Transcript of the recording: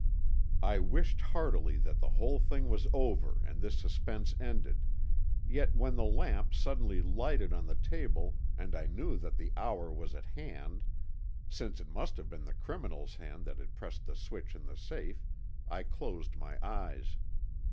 I wished heartily that the whole thing was over and this suspense ended, yet when the lamp suddenly lighted on the table and I knew that the hour was at hand, since it must have been the criminal's hand that had pressed the switch in the safe, I closed my eyes.